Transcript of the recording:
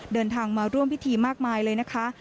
เดินทางมาร่วมพิธีมากมายเลยนะคะ